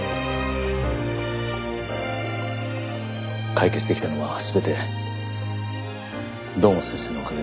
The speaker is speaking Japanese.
解決できたのは全て堂本先生のおかげです。